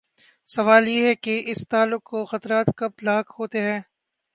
سوال یہ ہے کہ اس تعلق کو خطرات کب لاحق ہوتے ہیں؟